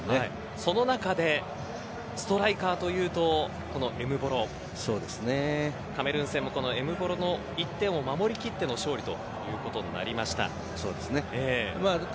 その中でストライカーというとこのエムボロカメルーン戦もこのエムボロの１点を守り切っての勝利。ということになりました。